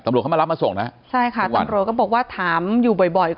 ตำรวจเขามารับมาส่งนะครับใช่ค่ะตำรวจก็บอกว่าถามอยู่บ่อย